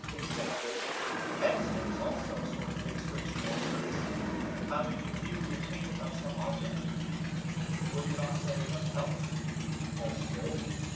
EUTHYPHRO: Exactly. SOCRATES: Medicine is also a sort of ministration or service, having in view the attainment of some object would you not say of health? EUTHYPHRO: I should.